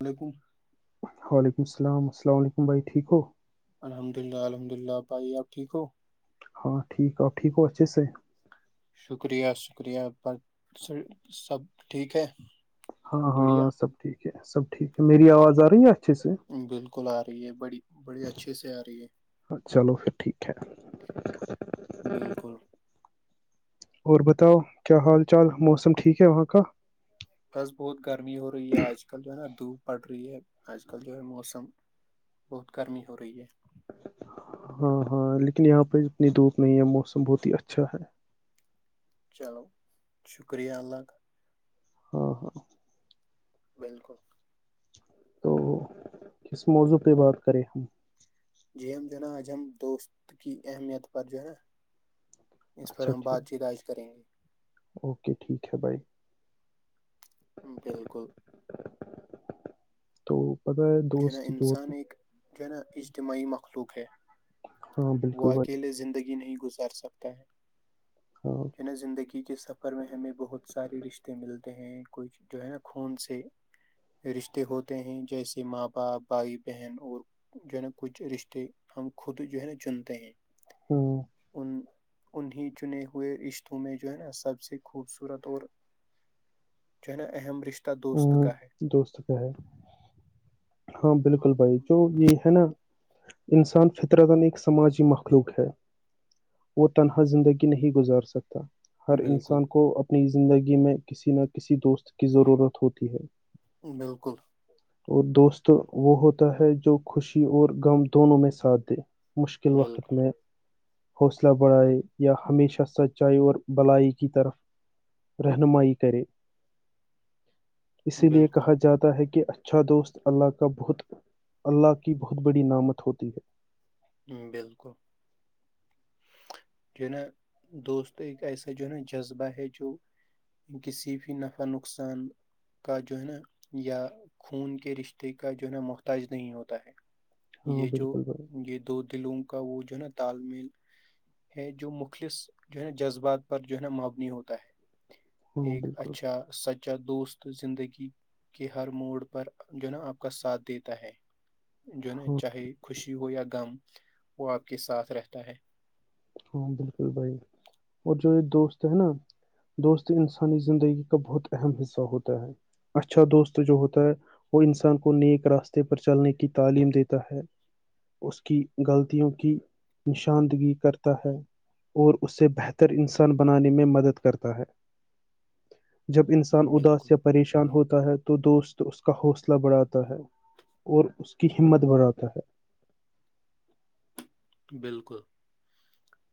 ال علیکم وعلیکم السلام السلام علیکم بھائی ٹھیک ہو الحمد للہ الحمد للہ بھائی آپ ٹھیک ہو ہاں ٹھیک ہے ٹھیک ہو اچے سے شکریہ شکریہ پر سب ٹھیک ہے ہاں ہاں بڑھیا سب ٹھیک ہے سب ٹھیک ہے میری آواز آ رہی ہے اچھے سے بالکل آ رہی ہے بڑی بڑی اچھے سے آ رہی ہے ہاں چلو پھر ٹھیک ہے بالکل اور بتاؤ کیا حال چال موسم ٹھیک ہے وہاں کا بس بہت گرمی ہو رہی ہے آج کل جو ہے نا دھوپ پڑ رہی ہے آج کل جو ہے موسم بہت گرمی ہو رہی ہے ہاں ہاں لیکن یہاں پہ اتنی دھوپ نہیں ہے موسم بہت ہی اچھا ہے چلو شکریہ اللہ کا [unintelligible] بالکل تو کس موضوع پہ بات کریں ہم جی ہم جناج ہم دوست کی اہمیت پر جو ہے اس پر اچھا ہم بات ٹھیک چیت عائش کریں گے اوکے ٹھیک ہے بھائی بالکل تو پتا ہے جو نا دوست انسان ہوتے- ایک ج نا اجتماعی مخلوق ہے ہاں وہ بالکل بھائی اکیلے زندگی نہیں گزار سکتا ہے [unintelligible] نا زندگی کے سفر میں ہمیں بہت سارے رشتے ملتے ہیں کچھ جو ہے نا خون سے رشتے ہوتے ہیں جیسے ماں باپ بھائی بہن اور جو ہے نا کچھ رشتے ہم خود جو ہے نا چنتے ہیں ہوں ان انیں چنے ہوئے رشتوں میں جو ہے نا سب سے خوبصورت اور جواہ ن ام رشتے ا دوست کا ہے ہاں بالکل بھائی جو یہ ہے نا انسان فطرتن ایک سماجی مخلوق ہے وہ تنہا زندگی نہیں گزار سکتا ہر بالکل انسان کو اپنی زندگی میں کسی نہ کسی دوست کی ضرورت ہوتی ہے بالکل اور دوست تو وہ ہوتا ہے جو خوشی اور غم دونوں میں ساتھ دے مشکل وقت بالکل میں حوصلہ بڑھائے یا ہمیشہ سچائی اور بلائی کی طرف رہنمائی کرے اسی لیے بالکل کہا جاتا ہے کہ اچھا دوست اللہ کا بہت اللہ کی بہت بڑی نامت ہوتی ہے بالکل جو نا دوست ایسے جو ن جذبہ ہے جوو کسی بھی نفع نقصان کا جو ہے نا یا خون کے رشتے کا جو ہے نا محتاج نہیں ہوتا ہے ہاں یہ جو بالکل بھائی یہ دو دلوں کا وہ جو ہے نا تال میل ہے جو مخلص جو ہے نا جذبات پر جو ہے نا مبنی ہوتا ہے ہاں ایک بالکل اچھا سچا دوست زندگی کہ ہر موڈ پر جو نا آپ کا ساتھ دیتا ہے جو نا ہاں چاہے خوشی ہو یا غم وہ آپ کے ساتھ رہتا ہے ہاں بالکل بھائی اور جو یہ دوست ہے نا دوست انسانی زندگی کا بہت اہم حصہ ہوتا ہے اچھا دوست جو ہوتا ہے وہ انسان کو نیک راستے پر چلنے کی تعلیم دیتا ہے اس کی غلطیوں کی نشاندگی کر اور اسے بہتر انسان بنانے میں مدد کرتا ہے جب انسان بالکل اداس یا پریشان ہوتا ہے تو دوست اس کا حوصلہ بڑھاتا ہے اور اس کی ہمت بڑھاتا ہے بالکل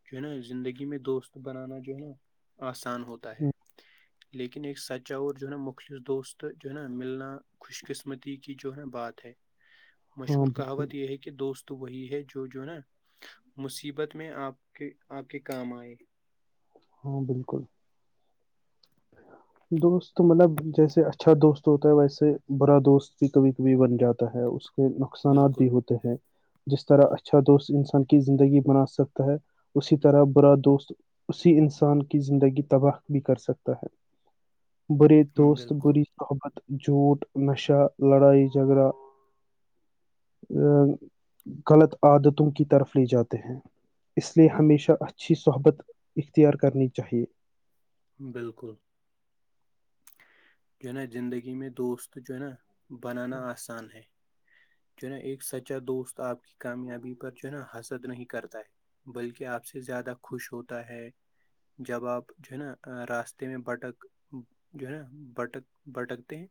جو ہے نا زندگی میں دوست بنانا جو ہے نا آسان ہوتا ہے لیکن ایک سچا اور جو ہے نا مخلص دوست جو ہے نا ملنا خوش قسمتی کی جو ہے نا بات ہے ہاں مشہور بالکل کہاوت یہ ہے کہ دوست وہی ہے جو جو نا مصیبت میں آپ کے آپ کے کام آئے ہاں بالکل دوست مطلب جیسے اچھا دوست ہوتا ہے ویسے برا دوست بھی کبھی کبھی بن جاتا ہے اس سے نقصانات بالکل بھی ہوتے ہیں جس طرح اچھا دوست انسان کی زندگی بنا سکتا ہے اسی طرح برا دوست اسی انسان کی زندگی تباہ بھی کر سکتا ہے برے دوست بالکل بری صحبت جھوٹ نشہ لڑائی جھگڑا ا غلط عادتوں کی طرف لے جاتے ہیں اس لیے ہمیشہ اچھی صحبت اختیار کرنی چاہیے بالکل جو نا زندگی میں دوست جو ہے نا بنانا آسان ہے جو ہے نا ایک سچا دوست آپ کی کامیابی پر جو ہے نا حسد نہیں کرتا ہے بلکہ آپ سے زیادہ خوش ہوتا ہے جب آپ جو ہے نا راستے میں بھٹک جو ہے نا بھٹک بھٹکتے ہیں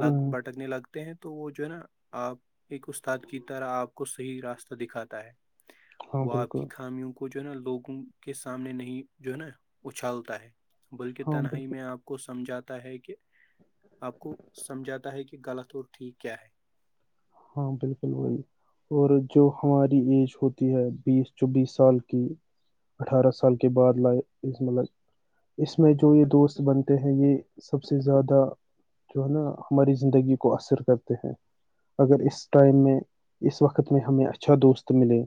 لگ بھٹکنے لگتے ہیں تو وہ جو ہے نا آپ ایک استاد کی طرح آپ کو صحیح راستہ دکھاتا ہے ہاں وہ آپ بالکل کی خامیوں کو جو ہے نا لوگوں کے سامنے نہیں جو ہے نا اچھالتا ہے بلکہ ہاں بالکل تنہائی میں آپ کو سمجھاتا ہے کہ آپ کو سمجھاتا ہے کہ غلط اور ٹھیک کیا ہے ہاں بالکل وہی اور جو ہماری ایج ہوتی ہے بیس چوبیس سال کی اٹھارہ سال کے بعد لائ اس مطلب اس میں جو یہ دوست بنتے ہیں یہ سب سے زیادہ جو ہے نا ہماری زندگی کو اثر کرتے ہیں اگر اس ٹائم میں اس وقت میں ہمیں اچھا دوست ملے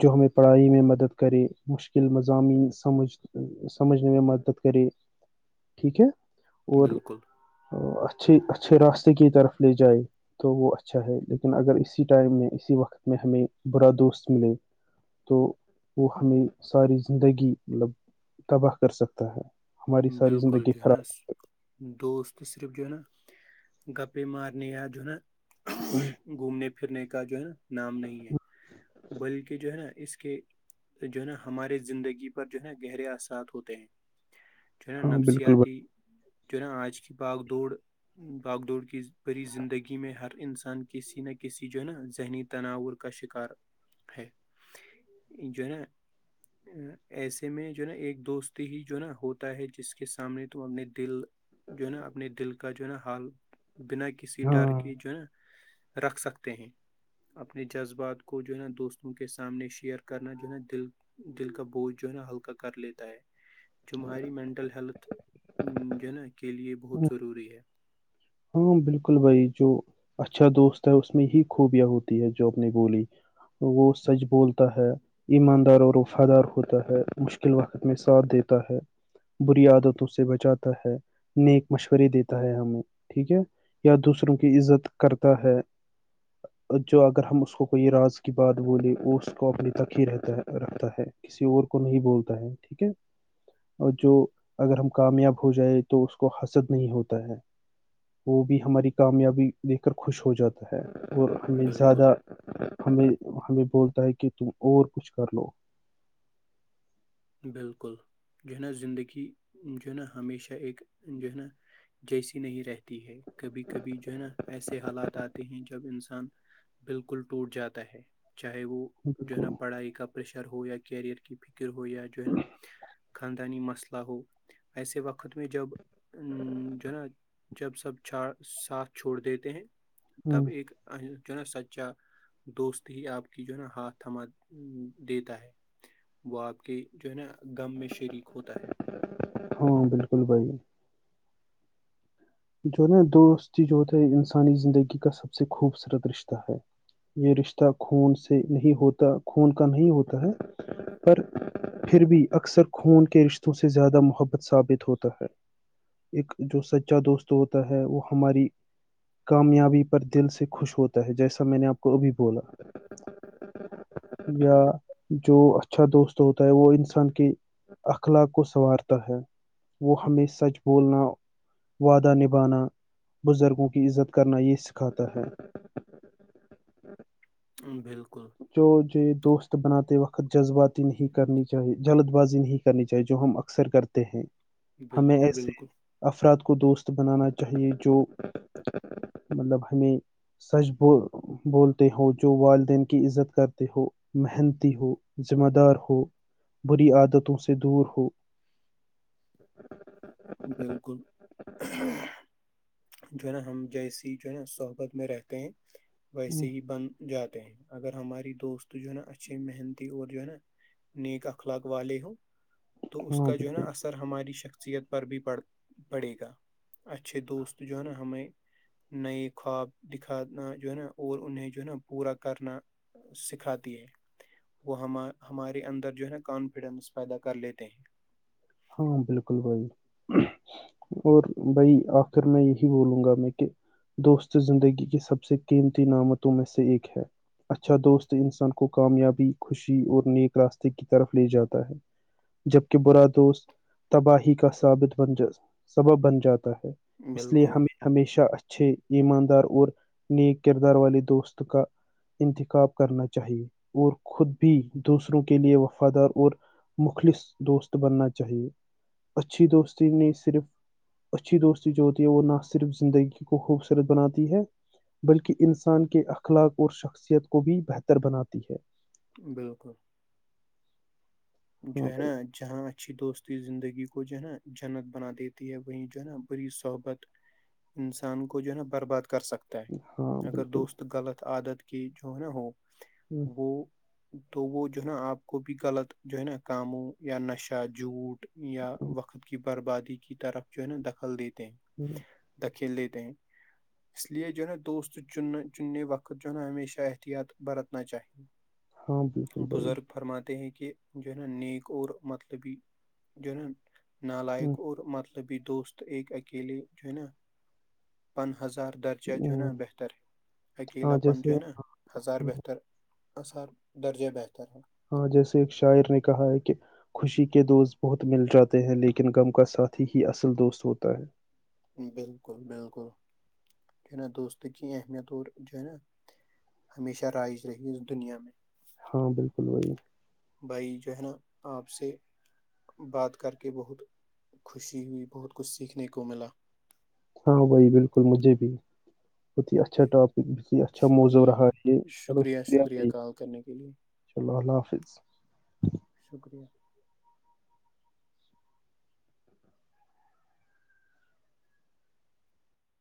جو ہمیں پڑھائی میں مدد کرے مشکل مضامین سمجھ سمجھنے میں مدد کرے ٹھیک ہے اور بالکل اچھھی اچھے راستے کی طرف لے جائے تو وہ ا اچھا ہے لیکن اگر اسی ٹائم میں اسی وقت میں ہمیں برا دوست ملے تو وہ ہمیں ساری زندگی مطلب تباہ کر سکتا ہے ہماری ساری بالکل زندگی جو ہے نا خراب دوست صرف جو نا گپے مارن د جو نا ہوں [inaudible] گھومنے پھرنے کا جو ہے نا نام نہیں ہے بلکہ جو ہے نا اس کے جو ہے نا ہمارے زندگی پر جو ہے نا گہرے اثات ہوتے ہیں چونا ہاں بالکل بھائی نفسیاتی چونا آج کیی باغ دڑ باگ دوڑ کی بری زندگی میں ہر انسان کسی نہ کسی جو ہے نا ذہنی تناور کا شکار ہے جو ہے نا ایسے میں جو ہے نا ایک دوست ہی جو ہے نا ہو ہے جس کے سامنے تم اپنے دل جو ہے نا اپنے دل کا جو ہے نا حال بنا کیا کسی ڈر ہاں کے جو ہے نا رکھ سکتے ہیں اپنے جذبات کو جو ہے نا دوستوں کے سامنے شیئر کرنا جو ہے نا دل دل کا بوجھ جو ہے نا ہلکا کر لیتا ہے جو ہماری مینٹل ہیلتھ جو ہے نا کے لیے بہت ضروری ہے ہاں بالکل بھائی جو اچھا دوست ہے اس میں ہی خوبیاں ہوتی ہے جو اپنی بولی وہ سچ بولتا ہے ایماندار اور وفادار ہوتا ہے مشکل وقت میں ساتھ دیتا ہے بری عادتوں سے بچاتا ہے نیک مشورے دیتا ہے ہمیں ٹھیک ہے یا دوسروں کی عزت کرتا ہے جو اگر ہم اس کو کوئی راز کی بات بول اس کو اپنے تک ہی رہتا ہے رکھتا ہے کسی اور کو نہیں بولتا ہے ٹھیک ہے اور جو اگر ہم کامیاب ہو جائے تو اس کو حسد نہیں ہوتا ہے وہ بھی ہماری کامیابی دیکھ کر خوش ہو جاتا ہے اور ہمیں بالکل زیادہ ہمیں ہمیں بولتا ہے کہ تم اور کچھ کر لو بالکل جو ہے نا زندگی جو ہے نا ہمیشہ ایکک جو ہے نا جیسی نہیں رہتی ہے کبھی کبھی جو ہے نا ایسے حالات آتے ہیں جب انسان بالکل ٹوٹ جاتا ہے چاہے وہ جو ہے نا بالکل پڑھائی کا پریشر ہو یا کیریئر کی فکر ہو یا جو ہے نا خاندانی مسئلے ایسے وقت میں جب جو ہے نا جب سب چ ساتھ چھوڑ دیتے ہیں ہاں تب ایک جو ہے نا سچا دوست ہی آپ کی جو ہے نا ہاتھ تھما دیتا ہے وہ آپ کے جو ہے نا غم میں شریک ہوتا ہے ہاں بالکل بھائی جو نا دوستی جو ہے انسانی زندگی کا سب سے خوبصورت رشتہ ہے یہ رشتہ خون سے نہیں ہوتا خون کا نہیں ہوتا ہے پر پھر بھی اکثر خون کے رشتوں سے زیادہ محبت ثابت ہوتا ہے ایک جو سچا دوست ہوتا ہے وہ ہماری کامیابی پر دل سے خوش ہوتا ہے جیسا میں نے آپ کو ابھی بولا یا جو اچھا دوست ہوتا ہے وہ انسان کی اخلاق کو سنوارتا ہے وہ ہمیں سچ بولنا وعدہ نبھانا بزرگوں کی عزت کرنا یہ سکھاتا ہے بالکل جو ج دوست بناتے وقت جذباتی نہیں کرنی چاہیے جلد بازی نہیں کرنی چاہیے جو ہم اکثر کرتے ہیں ہمیں بالکل ایسے بالکل افراد کو دوست بنانا چاہیے جو مطلب ہمیں سچ ب بولتے ہو جو والدین کے کی عزت کرتے ہو محنتی ہو ذمہ دار ہو بری عادتوں سے دور ہو [unintelligible] بالکل جو ہے نا ہم جیسیے ہی جو ہے نا صحبت میں رہتے ہیں ویسے ہی بند جاتے ہیں اگر ہماری دوست جو ہے نا اچھی محنتی اور جو ہے نا نیک اخلاق والے ہ تو اس ہاں کا جو ہے نا بالکل اثر ہماری شخصیت پر بھی پڑ پڑے گا اچھے دوست جو ہے نا ہمیں نئے خواب دکھانا جو ہے نا اور انہیں جو ہے نا پورا کرنا سکھاتی ہے وہ ہم ہمارے اندر جو ہے نا کانفیڈنس پیدا کر لیتے ہیں ہاں بالکل بھائی اور بھائی آخر میں یہی بولوں گا میں کہ دوست زندگی کی سب سے قیمتی نعمتوں میں سے ایک ہے اچھا دوست انسان کو کامیابی خوشی اور نیک راستے کی طرف لے جاتا ہے جبکہ برا دوست تباہی کا ثابت بن ج سبب بن جاتا ہے اس لیے بالکل ہمیں ہمیشہ اچھے ایماندار اور نیک کردار والے دوست کا انتخاب کرنا چاہیے اور خود بھی دوسروں کے لیے وفادار اور مخلص دوست بننا چاہیے اچھی دوستی نے صرف اچھی دوستی جو ہوتی ہے وہ نہ صرف زندگی کو خوبصورت بناتی ہے بلکہ انسان کے اخلاق اور شخصیت کو بھی بہتر بناتی ہے بالکل جو ہاں ہے نا بھائی جہاں اچھی دوستی زندگی کو جو ہے نا جنت بنا دیتی ہے وہ جو ہے نا بری صحبت انسان کو جو ہے نا برباد کر سکتا ہاں اگر بالکل دوست غلط عادت کی جو ہے نا ہو وہ تو وہ جو ہے نا آپ کو بھی غلط جو ہے نا کاموں یا نشہ جھوٹ یا وقت کی بربادی کی طرف جو ہے نا دخل دیتے ہیں ہوں دکھیل دیتے ہیں اس لیے جو ہے نا دوست چننا چننے وقت جو ہے نا ہمیشہ احتیاط برتنا چاہیے [inaudible] بالکل بزرگ فرماتے ہیں کہ جو نا نیک اور مطلبی جو نا بھائی نالائق اور مطلب ملبھی دوست ایک اکیلے جو ہے نا پن ہزار درجہ جو نا بہتر ہاں اکیلاپن جو جیسے ہے نا ہزار بہترار درجہ بہتر ہے ہاں جیسے ایک شاعر نے کہا ہے کہ خوشی کے دوست بہت مل جاتے ہیں لیکن غم کا ساتھھی ہی اصل دوست ہوتا ہے بالکل بالکل دوست کی اہمیت اور جو ہے نا ہمیشہ رائج رہے گی دنیا میں ہاں بالکل وہی بھائی جو ہے نا آپ سے بات کر کے بہت خوشی ہوئی بہت کچھ سیکھنے کو ملا ہاں بھائی بالکل مجھے بھی بت ہی اچھا ٹاپک جی اچھا موضوع شکریہ رہا یہ چلو شکریہ کال کرنے کے لیے بھائیشا اللہ اللہ حافظ شکریہ